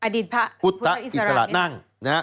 อดีตพระอิสระนั่ง